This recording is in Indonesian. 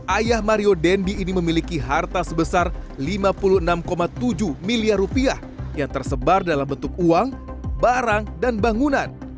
ayah mario dendi ini memiliki harta sebesar lima puluh enam tujuh miliar rupiah yang tersebar dalam bentuk uang barang dan bangunan